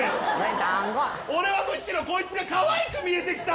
俺はむしろこいつがかわいく見えてきた。